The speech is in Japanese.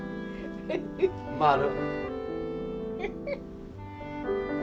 まる！